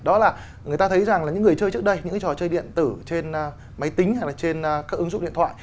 đó là người ta thấy rằng là những người chơi trước đây những cái trò chơi điện tử trên máy tính hay là trên các ứng dụng điện thoại